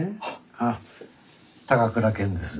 ああ高倉健です。